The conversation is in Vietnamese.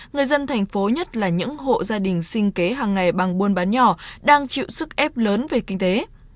người dân thành phố nhất là những hộ gia đình sinh kế hàng ngày bằng buôn bán nhỏ đang chịu sức ép lớn về kinh tế